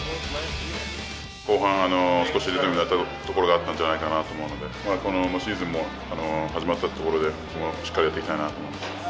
後半、少しリズムが取れたところがあったんじゃないかなと思うので、このまま、シーズンも始まったところで、しっかりやっていきたいなと思います。